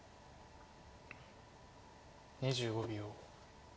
２５秒。